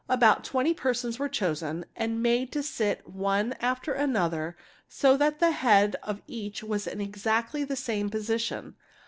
About twenty persons were chosen and made to sit one after another so that the head of each was in exactly the same position.